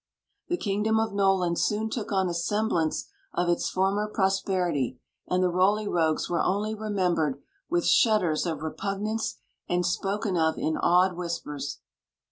The kingdom of Noland soon took on a semblance of its former prosperity, and the Roly Rogues were only remembered with shudders of repugnance, and spoken of in awed whispers.